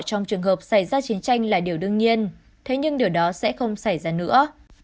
trong trường hợp xảy ra chiến tranh là điều đương nhiên thế nhưng điều đó sẽ không xảy ra nữa